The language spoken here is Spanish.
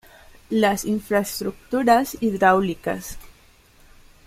Las infraestructuras hidráulicas.